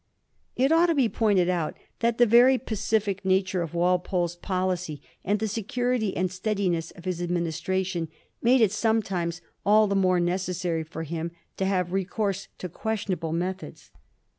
It ought to be pointed out that the very pacific nature of Walpole's policy and the security and steadi ness of his administration made it sometimes all the more necessary for him to have recourse to question able methods.